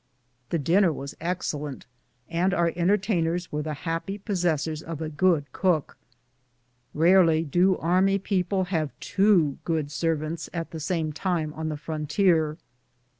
The dinner was excellent, and our entertainers were the happy possessors of a good cook. SEPARATION AND REUNION. 87 Rarely do army people have two good servants at the same time on the frontier.